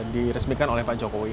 diresmikan oleh pak jokowi